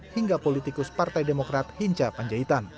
hingga politikus partai demokrat hinca panjaitan